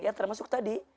ya termasuk tadi